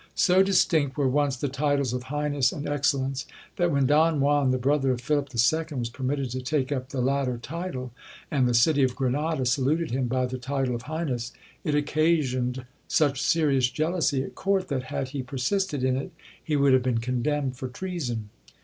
So distinct were once the titles of highness and excellence, that when Don Juan, the brother of Philip II., was permitted to take up the latter title, and the city of Granada saluted him by the title of highness, it occasioned such serious jealousy at court, that had he persisted in it, he would have been condemned for treason.